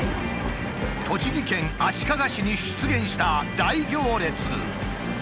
栃木県足利市に出現した大行列。